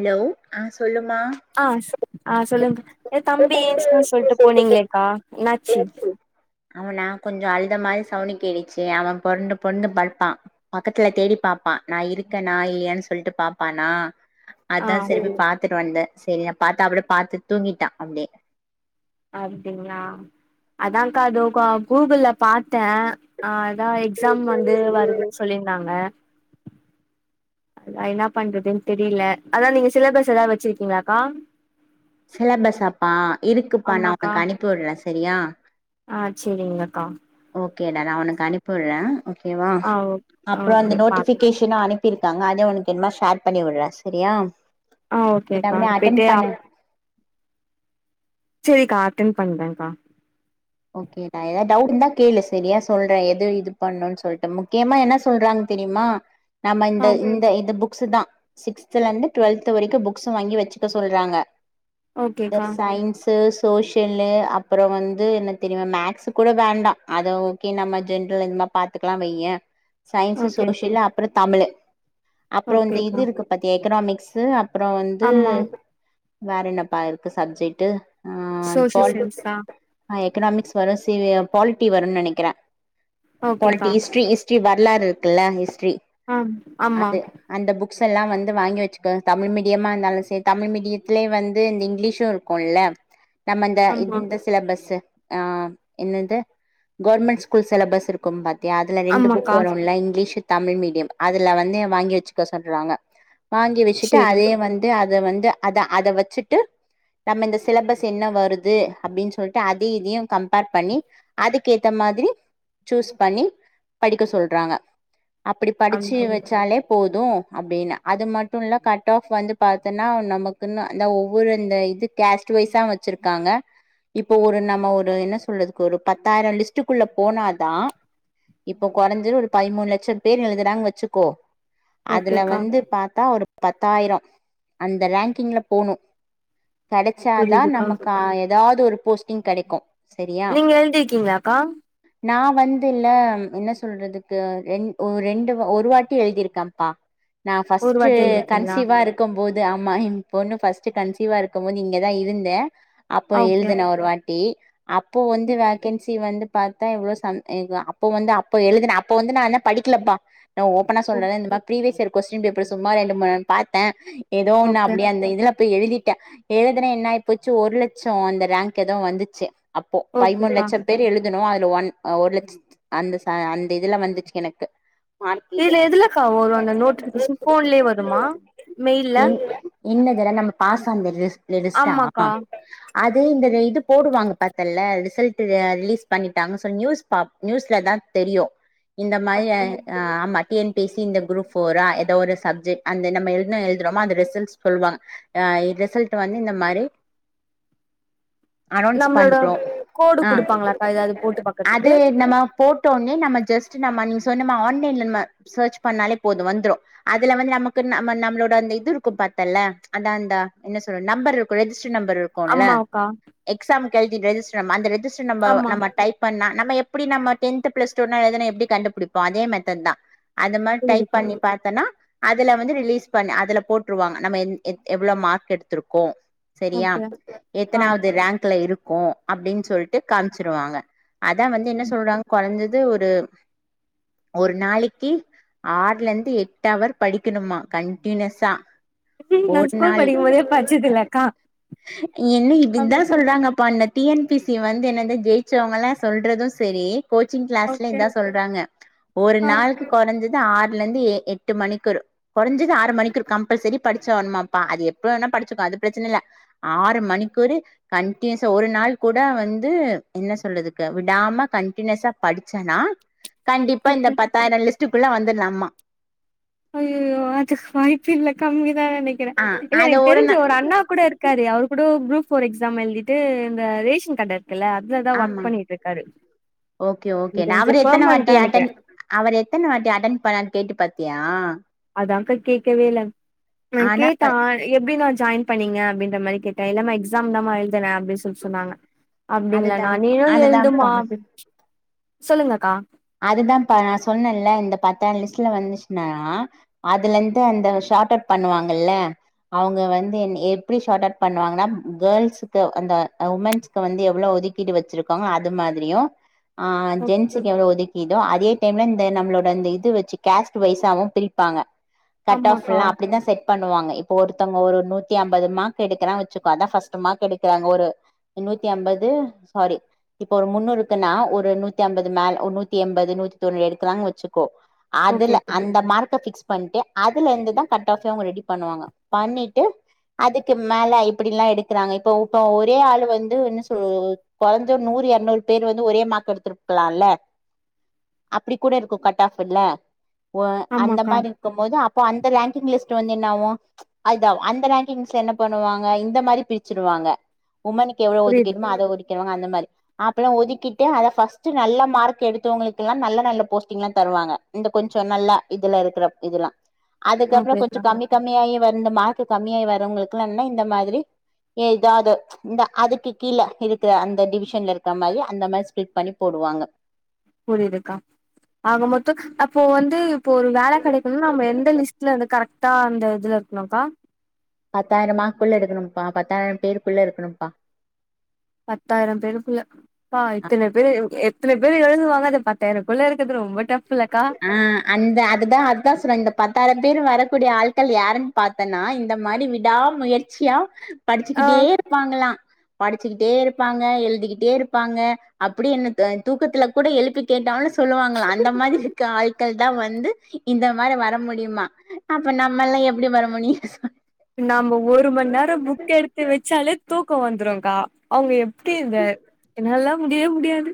Allow ஆஹ சொல்லும் ஆஹா ஆஹ சொல்லுங்க ஏ தம்பி ஏத்துப்பானு சொல்லிட்டு போனீங்களேக்கா என்னாச்சு அவ நா கொஞ்சோ அழுத மாரி சவுன்டு கேட்டுச்சு அவ பொருண்டு பொருண்டு படுப்பா பக்கத்துல தேடி பாப்பா நா இருக்கனா இல்லியான் சொல்லிட்டு பாப்பானா ஆ அதா செரி பாத்துட்டு வந்த செரியா பாத்தா அப்பறோ பாத்து தூங்கிட்டா அப்டியே அப்டிங்களா அதாங்க்கா அது கூகுள்ல பாத்த அஹ அதா எக்ஸாம் வந்து வருது சொல்லியிருந்தாங்க அதா என்ன பண்றதுன்னு தெரல அதா நீங்க சிலபஸ் ஏதாவது வச்சிருக்கீங்களாக்கா சிலபஸாப்பா இருக்குப்பா நா ஆமாக்கா உனக்கு அனிப்புடுற செரியா ஆ செரிங்கக்கா ஓக் ஓகேடா நா ஒனக்கு அனிப்புடுற ஓ ஓகேவா ஆ ஓ அப்புறோ அந்த ஓகே பாப்போ நோட்டிபிகேஷன் அனுப்பிருக் க்காங்க அதே உனக்கு என்மா ஷேர் பண்ணி வுடுற செரியா ஆ ஓகேக்கா [unintelligible] செரிக்கா அட்டன் பண்றங்க்கா ஓகேடா ஏதாவது டவுட் இருந்தா கேளு செரியா சொல்ற எது இதுபண்ணோன் சொல்ட்டு முக்கியமா என்ன சொல்றாங் தெரியுமா நம்ம ஆ இந்த இந்த இது புக் புக்ஸ்தா சிக்ஸ்த்துல இருந்து டுவெல்த் வரிக்கு புக்ஸ் வாங்கி வச்சுக்க சொல்றாங்க த ஓகேக்கா சைன்ஸ் ஸ் சோஷியல்லு அப்பறோ வந்து என்ன தெரியுமா மேக்ஸ்க் கூட வேண்டா அத ஓகே நம்ம ஜென்ரல் இந்தமா பாாத்துக்கலா வையே. சயின்ஸ்சு ஓகே சோசியல் அப்பறோத். தமிலு அப்பறோ இந்த இது ஓகேக்கா இருக்கு பாத்தியேக் எக்கனாமிக்ஸு அப் புறோ வந்து ஆமா வேற என்னப்பா இருக்கு சப்ஜெக்ட்டு சோசியல் சயின்ஸ்தா ஆயிக் எக்கனாமிக்ஸ் வர சிறிய பாலிட்டி வருன்னு நெனிக்கிற. பால்டி ஓகேக்கா ஹிஸ்ட்ரி ஹிஸ்ட்ரி வ நல்லா இருக்குல்ல ஹிஸ் ஆம் ஆமா புக்ஸ் எல்லா வந்து வாங்கி வெச்சுக்கோங் தமிழ் மீடியம்மா இருந்தாலு செரி தமிழ் மீடியத்திலயே வந்து இந்த இங்கிலீஷும் இருக்குல்ல நம்மந்த ஆமா இந்த சிலபஸ்சு ஆஹம் என்னது கவர்மெண்ட் ஸ்கூல் செலபஸ் இருக்கும் பாத் தியா அதுல ரெண்டு புக் ஆமாக்கா வருல்ல இங்கிலீஷ் தமிழ் மீடியம் அதுல வந்து வாங்கி வெச்சுக்க சொல்றாங்க வாங்கி வெச்சுட்டு சேரி அதே வந்து அத வந் து அதா அத வச்சுட்டு நம்ம இந்த சிலபஸ் என்ன வருது அப்டின்னு சொல்லிட்டு அது தி இதியு கம்பேர் பண்ணி அதுக்கு ஏத்த மாதிரி சூஸ் பண்ணி படிக்க சொல்றாங்க அப்படி படிச்சு அப்டிங்களா வச்சாலே போது னு அப்டின்னு அது மட்டும் இல்ல கட் ஆப் வந்து பாத்தின்னா நமக்குன்னு அந்த ஒவ்வொரு இந்த இது கேஸ்ட் வைஸ்சா வச்சுருக்காங்க இப்போ ஒரு நம் நம்ம ஒரு என்ன சொல்றதுக்கு ஒரு பத்தாயிரோ லிஸ்டக்குள்ள போனாதா இப்போ கொறஞ்சது ஒரு பதிமூணு லட்சோ பேர் எழுதுறாங்கன் வச்சுக்கோ அதுல ஓகேக்கா வந்து பாத்தா ஒரு பத்தாயிரோ அந்த ரேங்கிங்ல போணு கெடச்சாதா புரியுதுக்கா நமக்கா எது ஏதாவது ஒரு போஸ்டிங் கெடைக்கு சரியா நீங்க எழுதி இருக்கீங்களாக்கா நா வந்து இல்ல என்ன சொல்றதுக்கு ரெண் ஒ ரெண்டு ஒரு வாட்டி எழுதிருக்கம்ப்பா நா ஒரு ஃபர்ஸ்ட்டு வாட்டி எழுதிருக்கீங்களா கன்சீவா இருக்கும் போது இது ஆமா எம் பொண்ணு ஃபஸ்ட்டு கன்சீவா இருக்கும் போது இங்கதா இருந்த அப்போ ஓகே எழுதுன ஒரு வா டி அப்போ வந்து வேக்கன்சி வந்து பாத்தா எவ்வளோ சம் இதா அப்போ வந்து அப்போ எழுதுன அப்போ வந்து நா என்ன படிக்கலப்பா நா ஓப்பனா சொல்ற இந்த மாதிரி பிரீவியஸ் இருக் கொஸ்டின் பேப்பர் சும்மா ரெண்டு மூணு பாத்த ஏதோ ஒன்ன ஓகே அப்படியே அந்த இதுல போய் எழுதிட்ட எழுதுன என்ன ஆய் போச்சு ஒரு லட்சோ அந்த ரேங்க் ஏதோ வந்து ச்சு அப்போ பதிமூணு ஓகேக்கா லட்சோ பேர் எழு துனோ அதுல ஒன் ஒரு லட்ச்சத் அந்த ச அந்த இதுல வந்துச்சு எனக்கு மார்க் இது இதுல எதுலக்கா வரு அந்த நோட்டிபிகேஷன் போன்லயே வருமா மெயில்ல இன்னெதுடா நம்ம பாஸ் அந்த ரிஸ் இல்ல ரிஸ்டா ஆமாக்கா அது இந்த ரே போடுவாங்க பாத்தல்ல ரிசல்ட் ஆஹ் ரிலீஸ் பண்ணிட்டாங்க சொ நியூஸ் நியூஸ்ல தான் தெரியும் இந்த மாதிரி அப்டியா ஆமா T N P S C இந்த குரூப் போரா ஏதோ ஒரு சப்ஜெக்ட் அந்த நம்ப என்ன எழுதுறோமோ அந்த ரிசல்ட் சொல்லுவாங்க அஹ் ரிசல்ட் வந்து இந்த மாரி அன்னோன்ஸ் நம்மளோட பண்றோம் கோடு ஆஹ் குடுப்பாங்களாக்கா ஏதாவது போட்டு பாக்கறதுக்கு அது நம்ம போட்டோனே நம்ம ஜஸ்ட் நம்ம நீங்க சொன்ன மா அன்லைன்ல நம்ம சர்ச் பண்ணாலே போதும் வந்துரும் அதுல வந்து நமக்கு நம்மளலோட இது இருக்கும் பத்தல அத அந்த என்ன சொல்ல நம்பர் இருக்கும் ரெஜிஸ் ட்டர் நம்பர் இருக்கும்ல ஆமாக்கா எக்ஸாமுக்கு எழுதி ரிஜிஸ்டர் நம்பர் அந்த ரெஜிஸ் ட்டர் நம்ம ஆமா நம்ம டைப் பண்ணா நம்ம எப்டி நம்ம டென்த் பிளஸ் டுனால எழுதுன எப்டி கண்டுபிடிப்போ அதே மெத்தட் தான் அந்த மாதரி டைப் புரியுதுக்கா பண்ணி பாத்தேன்னா அதுல வந்து ரிலீஸ் பண்ண அதுல போட்டுருவாங்க நம்ம எந் எந் எவ்வளவு மார்க் எடுத்திருக்கோம் சேரியா ஓகே ஆ எத்தனாவது ரேங்க் ல இருக்கும் அப்படின்னு சொல்லிட்டு காமிச்சிருவாங்க அதான் வந்து என்ன சொல்றாங்க குறைஞ்சது ஒரு ஒரு நாளைக்கு ஆறுல இருந்து எட்டவர் படிக்கணுமா கண்டினியூஸா நான் ஒரு ஸ்கூல் நாள் படிக்கும் போதே படிச்சதில்லக்கா என்ன இப்டிதா சொல்றாங்கப்பா இந்த டி என் பி சி வந்து என்ன ஜெயிச்சவங்கல்லாம் சொல்றதும் சேரி கோச்சிங் கிளாஸ்ல ஓகே இதான் சொல்றாங்க ஒரு ஆ நாளுக்கு குறைஞ்சது ஆறுல இருந்து எட்டு மணிக்கு குறைஞ்சது ஆறு மணிக்கு கம்பல்சரி படிச்சியாணுபா அது எப்படிவேணா படிச்சிக அது பிரச்சனை இல்ல ஆறு மணிக்குவோரு கண்டினியூஸா ஒரு நாள் கூட வந்து என்னச்சொல்றதுக்கு விடாம கண்டினியூஸா படிச்சன்னா கண்டிப்பா ஓகே இந்த பத்தாயிரம் லிஸ்ட் ட்டுக்குள்ள வந்துடலாம அய்யயோ அதுக்கு வாய்ப்பில்லா கம்மி நினைக்கிறேன் ஆ இல்ல என அது தெரிஞ்ச நா ஒரு அண்ணா கூட இருக்காரு அவர் கூட குரூப் ப்போர்எக்ஸாம் எழுதிட்டு இந்த ரேஷன் கட இருக்குல்ல அதுலதா ஒர்க் ஆமா பண்ணிட்ருக்காரு ஓகே ஓகே எனக்கு தெரிஞ்சு அவர் எத்தனை வாட்டி பெர்மனன்ட்டா நெனைக்கிறே அவர் எத்தனை வாட்டி அட்டன் பண்ணருனு கேட்டு பா த்தியா அதங்கா கேட்கவேயில்லா நா ஆனா கேட்டா எப்படி நான் ஜாயின் பண்ணிங்க அப்பிடின்ற மாரி கேட்ட இல்லாம எக்ஸாம் தானம்மா எழுதி தன அப்டின்னு சொல் சொன்னாங்க அப்படிங்களா நா அதுதான்ப்பா நீயோ எழுதுமா அதுதான்ப்பா அப்டின் சொல்லுங்கக்கா அதுதான் நான் சொன்னல இந்த பத்தயிரம் லிஸ்ட்ல வந்துச்சுன்னா அதுல இருந்து அந்த ஷார்ட் அவுட் பண்ணுவாங்கல்ல அவங்க வந்து எப்டி ஷார்ட் அவுட் பண்ணுவாங்கன்னா கேர்ள்சுக்கு அந்த உமென்ஸ்கு வந்து எவ்வளவு ஒதுக்கீடு வச்சிருக்காங்க அது மாதிரியும் ஆஹ் ஜென்ஸ்க்கு எவ்வளவு ஒதுக் இதோ அதே டைம்ல இந்த நம்மளோட அந்த இது வச்சு கேஸ்ட் வைசாவும் பிரிப்பாங்க கட் ஆஃப் ஆமாக்கா எல்லாம் அப்படிதான் செட் பண்ணுவாங்க இங்ப ஒருத்தவங்க நூத்தி அன்பாது மார்க் எடுக்குறாங்கன்னா வச்சுக்கோ அதான் ஃபர்ஸ்ட் மார்க் எடுக்குறாங்க நூத்திஅன்பது சாரி முன்னுருக்கு நூத்தா அன்பது நூத்தி எண்பது நூத்தி தொண்ணூறு எடுக்குறாங்க வச்சுக்கோ அதுல ஓகேக்கா அந்த மார்க்க ஃபிக்ஸ் பண்ணிட்டு அதுல இருந்துதான் கட்ட ஆஃப் அவங்க ரெடி பண்ணுவாங்க பண்ணிட்டு அதுக்கு மேல இப்டி எல்லாம் எடுக்கிறாங்க இப்ப இப்போ ஒரே ஆள் வந்துன்ன சொ குறைஞ்சோ நூறு இருநூறு பேர் வந்து ஒரே மார்க்கு எடுத்துருக்கலாம்ல அப்டி கூட இருக்கும் கட் ஆஃப் இல்ல அப்போ அந்த ஆமாக்கா மாரி இருக்கும்போது அப்போ அந்த ரங்கிங் லிஸ்ட் ட்டு வந்து என்ன ஆகும் அதுதான் ஆகும் அந்த ரங்கிங் என்ன பண்ணுவாங்க இந்த மாதிரி பிரிச்சிருவாங்க உமனுக்கு எவ்ளோ புரியுது ஒதுக்குமோ அதோ ஒதுக்கிறவங்க அந்தமாரி அப்பள ஒதுக்கிட்டு அதா பர்ஸ்ட் நல்ல மார்க் எடு த்தவங்களுக்குல்லா நல்ல நல்ல போஸ்டிங் எல்லா தருவாங்க இந்த கொஞ்ச நல்ல இதுல இருக்கிற இதுல்லா அதுக்கப்பறம் கொஞ்ச ஓகேக்கா கம்மி கம்மியாயி வந்த மார்க் மார்க் கம்மிய் வரவங்களுக்குல்லா இந்த மாரி ஏதாவது இந்த அதுக்கு கீழே இருக்கிற அந்த டிவிஷன்ல இருக்கிற மாரி அந்த மாரி ஸ்பிலிட் பண்ணி போடுவாங்க புரியித்துக்கா ஆக மொத்தம் அப்போ வந்து இப்ப ஒரு வேலை கிடைணும் நம்ப எந்த லிஸ்ட்ல வந்து கரெக்ட் தா அந்த இதுல இருக்கனும் கா பத்தாயிரமாக்குள்ள எடுக்கணும்ப பத்தாயிரம் பேருக்குள்ள இருக்குணுபா பத்தாயிரம் பேருக்குள்ள பா இத்தன பேரு எத்தன பேர் எழுதுவாங்க அத பத்தாயிரம் குள்ள இருக்குது ரொம்ப டப்ஃ ஆஹ் அந்த அதுதான் அதுதான் சொல்றேன் இந்த பத்தாயிரம் பேர் வரக்கூடிய ஆள்கள் யாருன்னு பாத்தேன்னா இந்த மாரி விடா முயற்சியா ஆ படிச்சிக்கிட்டே இருப்பாங்களா படிச்சிக்கிட்டே இருப்பாங்க எழுதிக்கிட்டே இருப்பாங்க அப்படி என்ன தூக்கத்தல கூட எழுப்பி கேட்டாலு சொல்லுவாங்களா அந்த மாரி ஆள்கள் தான் வந்து இந்த மாரி வர முடியுமா அப்ப நம்மல்லா எப்டி வர முடியோ நாம ஒரு மணி நேரம் புக் எடுத்து வச்சாலே தூக் தூக்காவந்துரோ அக்கா அவங்க எப்டி இதா என்னால முடியவே முடியாது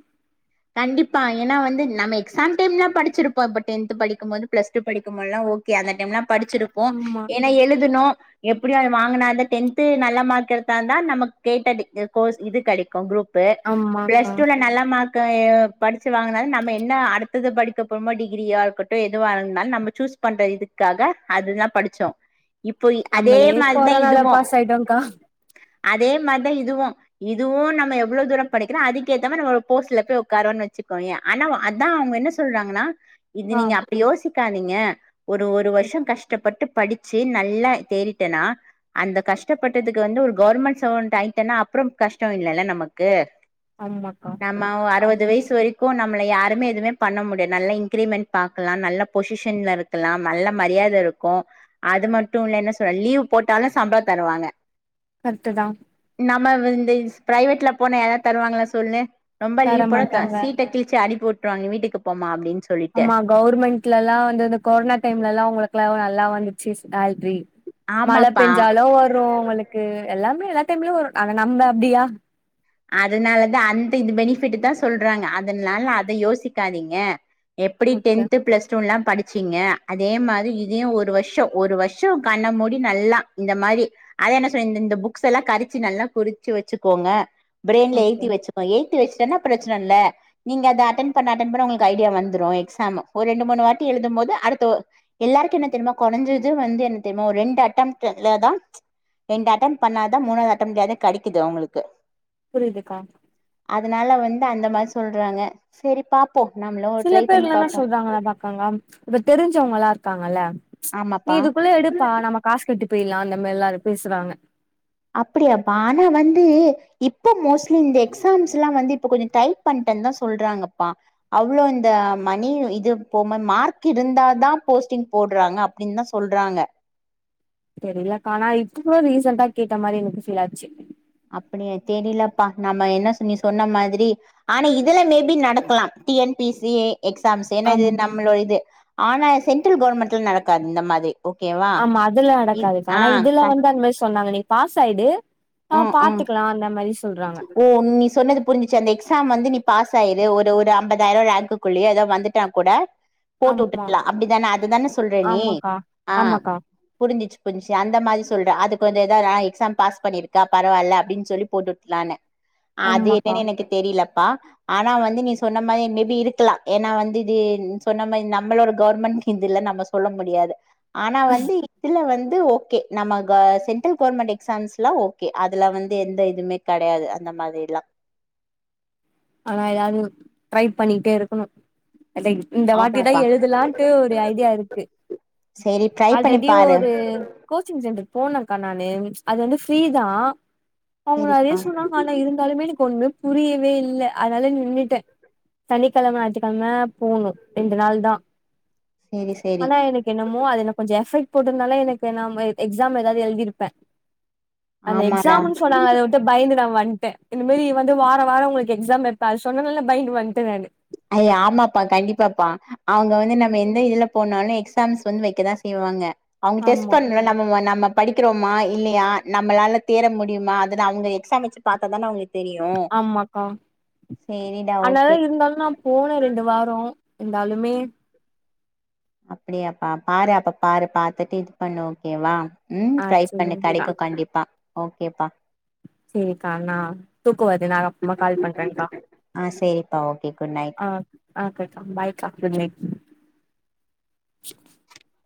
கண்டிப்பா ஏன்னா வந்து நம் எக்ஸாம் டைம்லா படிச்சிருப்போ இப்ப டென்த் படிக்கும் போது பிளஸ் டூ படிக்கும்போதுல்லா ஓகே அந்த டைம்லாம் படிச்சிருப்போம் ஆமா ஏன்னா எழுதனும் எப்படிய வாங்கினா அந்த டென்து நல்ல மார்க் எடுத்தாந்தான் நமக்கு கேட்ட கோர்ஸ் இது கிடைக்கும் குரூப் பு ஆமாக்கா பிளஸ் டூல நல்ல மார்க் கா ஏ படிச்சு வாங்கினால நம்ப என்ன அடுத்தது படிக்க போறோமோ டிகிரியா இருக்கட்டோ எதுவா இருனாலு நம்ப சூஸ் பண்ற இதுக்காக அதுதான் படிச்சோ இப்போ அதே நம்மளே மாரிதா கொரோனாள இதுவு பாஸ் ஆயிட்டோன்க அதே மாரிதா இதுவு இதுவு நம்ம எவ்ளோ தூரம் படிக்கிறோ அதுக்கேத்த மாரி நம்ம போஸ்ட்ல போய் உக்காருவொன் வச்சுக்கோயே ஆனா அதா அவுங்க என்ன சொல்றாங்கனா இது ஆ நீங்க அப்டியோசி க்காதிங்க ஒரு ஒரு வருஷ கஷ்டப்பட்டு படிச்சு நல்லா தேரிட்டனா அந்த கஷ்டப்பட்டதுக்கு வந்து ஒரு கவர்மெண்ட் சர்வன்ட் ஆயிட்டன்னா அப்றம் கஷ்டொ இல்லல்ல நமக்கு ஆமா நம்ம ஒ அறுவது வயசு வரைக்கு ந ம்மல யாருமே எதுமே பண்ண முடியா நல்லா இன்கிரிமெண்ட் பாக்கலா நல்ல பொஷிஷன்ல இருக்கலா நல்ல மரியாத இருக்கூ அது மட்டுல்ல என்ன சொ லீவ் போட்டாலு சம்பள தருவாங்க கர்ட்டுதா நம்ம வி இந்த ஸ் ப்ரைவேட்ல போன யாரா தருவாங்களா சொல்லு ரொம்ப தர லீவ் போட்ட த மாட்டாங்க சீட்டக் கிழிச்சி அனிப்பிவுட் டுவாங்க வீட்டுக்கு போமா அப்டின் ஆமா கவுர்மெண்ட்லல்லா வந்துந்த கொரோனா டைம்லல்லா அவுங்கள [unintelligible] நல்லா வந்துச்சு [unintelligible] [unintelligible] மழ ஆமாப்பா பெஞ்சாலு வரு உங்களுக்கு எல்லாமே எல்லா டைம்லயு வரு ஆனா நம்ப அப்டியா அதுனாலதா அந்த இந்த பெனிஃபிட்டு்தா சொல்றாங்க அதுனால அத யோசிக்காதீங்க எப்பிடி ஓகே டென்த்து பிளஸ் டூன்லா படி ச்சீங்க அதே மாரி இதையு ஒரு வர்ஷொ ஒரு வர்ஷொ கண்ணமூடி நல்லா இந்த மாரி அத என்ன சொல்றெ இந்தந்த புக்ஸெல்லா கரச்சி நல்லா குறுச்சு வச்சுக்கோங்க பிரைன்ல ஓகே ஏத்திவச்சுக்கோ ஏ த்தி வச்சுட்டன்னா ப்ரச்சனல்ல நீங்க அத அட்டன் பண்ண அட்டன் பண்ண உங்களுக்கு ஐடியா வந்துரு எக்ஸாமு ஒரு ரெண்டு மூணு வாட்டி எழுதும் போது அடுத்து எல்லாருக்கு என்ன தெரிமா கொறஞ்சது வந்து என்ன தெரிமா ஒரு ரெண்டு அட்டம்டுலதா ரெண்டு அட்டன் பண்ணாதா மூனாது அட்டம்ட்லயாது கெடக்கிது அவுங்களுக்கு புரியிதுக்கா அதுனால வந்து அந்த மார் சொல்றாங்க செரிப்பாப் சில பேர்லா என்ன சொல்றாங்கனாப் பாக்கங்கா இப்ப தெரிஞ்சவுங்களாருக் காங்கல்ல நீ ஆமாப்பா இதுக்குள்ள எடுப்பா நம்ம காசு கட்டிப் பீலா அந்த மாரில்லாரு பேசுறாங்க அப்பிடியாப்பா ஆனா வந்து இப்போ மோஸ்ட்லி இந்த எக்ஸாம்ஸுல்லா வந்து இப்ப கொஞ்ச டைட் பண்ட்டன் தா சொல்றாங்கப்பா அவ்ளோ இந்த மணி இது போம மார்க் இருந்தாதா போஸ்டிங் போட்றாங்க அப்டின்தா சொல்றாங்க தெரிலக்கானா இப்ப ரீசென்ட்டா கேட்ட மாரி எனக்கு ஃபீல் ஆச்சு அப்பிடியா தெரிலப்பா நம்ம என்ன சொன் நீ சொன்ன மாதிரி ஆனா இதுல மேபி நடக்கலா T N P C exams ஏனா இது ஆமா நம்ளோ இது ஆனா சென்ட்ரல் கவர்மெண்ட்ல நடக்காது இந்த மாரி ஆமா அதுல நடக்காதுக்கா ஆனா இதுல க வந்து அந் மாரி சொன்னாங்க நே பாஸாயிடு ம் ம் ஓ நீ சொன்னது புரிஞ்சுச்சு அந்த எக்ஸாம் வந்து நீ பாஸ் ஆயி து ஒரு ஒரு அம்பதாயிரொ ரேங்க்குக்குள்ளயே எதோ வந்துட்டா கூட போட்டு ஆமா வுட்டுட்லா அப்டிதான அதுதான சொல்ற நீ ஆமாக்கா ஆ ஆமாக்கா புரிஞ்சிச்சு கொஞ்ச சேந்த மாரி சொல்டா அதுக்கு வந்து எதாரா எக்ஸாம் பாஸ் பண்ணிருக் க்கா பரவால்ல அப்டின்னு சொல்லி போட்டுட்லானு அது ஆமாக்கா என்னன்னு எனக்கு தெரியல ப்பா ஆனா வந்து நீ சொன்ன மாரி மேபி இருக்கலா ஏன்னா வந்து இது ந் சொன்ன மாரி நம்மளோட கவர்மெண்ட் இது இல்ல நம்ம சொல்ல முடியாது. ஆனா வந்து இதுல வந் து ஓகே நம்ம க சென்ட்ரல் கவர்மெண்ட் எக்ஸாம்ஸ்ல ஓ கே அதுல வந்து எந்த இதுமே கெடையாது அந்த மாதிரி எல்லா. ஆனா எதாவது ட்ரை பண்ணிட்டே இருக்கணு. அது இந்த வாட்டிதா ஆமாப்பா எழுதலான்ட்டு ஒரு ஐடியா இருக்கு. சேரி ட்ரை பண்ணி ஆல்ரெடி பாரு ஒரு கோச்சிங் சென்டர் போன க்கா நானு அது வந்து ஃப்ரீதா. அவங்க நெறைய சேரிப்பா சொன்னாங்க ஆனா இருந்தாலுமே எனக்கு ஒண்ணுமே புரியவே இல்ல. அதால நின்னுட்டே சனிக்கெழம ஞாயித்துக்கெழம போணு ரெண்டு நாள்தா சேரி சேரி ஆனா எனக்கு என்னமோ அது எனக்கு கொஞ்ச எஃபெக்ட் போட்ருந்தன்னா எனக்கு நா அ எக்ஸாம் ஏதாவது எழுதிருப்பே. அந்த ஆமாடா எக்ஸாம்ன்னு சொன்னாங்க அத விட்டு பயந்து நா வன் ட்டே இந்த மாரி வந்து வார வார உங்களுக்கு எக் ஸாம் வப்ப அது சொன்னதுனால பயிந்து வன்ட்டே நானு. அயே ஆமாப்பா கண்டிப்பாப்பா அவங்க வந்து நம்ம எந்த இதுல போனாலு எக்ஸாம்ஸ் வந்து வைக்கதா செய்வாங்க. அவங்க டெஸ்ட் ஆமா பண்ணுல்ல நம்ம நம்ம படிக்கிறோமா இல்லையா நம்மளால தேற முடியுமா அதுல அவங்க எக்ஸாம் வச்சு பாத்தாதான அவங்களுக் ஆமாக்கா சேரிடா ஓகே அதனாலதா இருந்தாலு நா போனே ரெண்டு வாரோ இருந்தாலுமே அப்பிடியாப்பா பாரு அப்ப பாரு பாத்துட்டு இது பண்ணு ஓகேவா ம் ஆ ட்ரை பண்ணு சரிங்க்கா கெடைக்கு கண்டிப்பா. ஓகேப்பா செரிக்கா நா தூக்கோ வருது நா அப்றமா கால் பண்றேன்க்கா ஆ சேரிப்பா ஓகே குட் நைட் ஆ ஓகேக்கா பாய்க்கா குட் நைட். [inaudible]